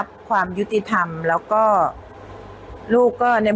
ก็เป็นสถานที่ตั้งมาเพลงกุศลศพให้กับน้องหยอดนะคะ